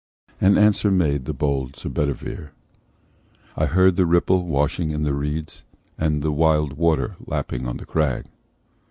And answer made the bold Sir Bedivere: "I heard the ripple washing in the reeds, And the wild water lapping on the crag."